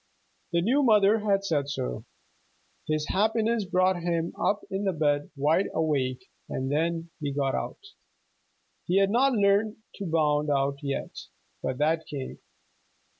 The new mother had said so. His happiness brought him up in bed wide awake, and then he got out. He had not learned to bound out yet, but that came.